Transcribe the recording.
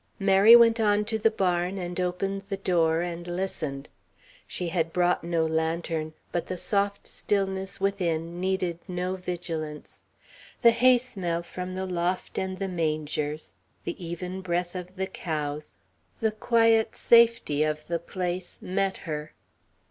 Mary went on to the barn, and opened the door, and listened. She had brought no lantern, but the soft stillness within needed no vigilance. The hay smell from the loft and the mangers, the even breath of the cows, the quiet safety of the place, met her.